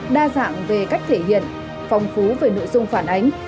đa dạng về cách thể hiện phong phú về nội dung phản ánh